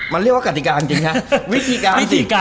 มันเรียกว่ากติกาจริงครับวิธีการ